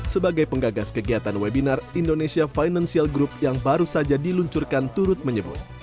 sebagai penggagas kegiatan webinar indonesia financial group yang baru saja diluncurkan turut menyebut